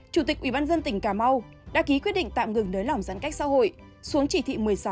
chủ tịch ubnd tỉnh cà mau đã ký quyết định tạm ngừng nới lỏng giãn cách xã hội xuống chỉ thị một mươi sáu